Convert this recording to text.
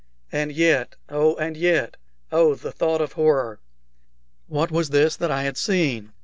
And yet oh, and yet! oh, thought of horror! what was this that I had seen?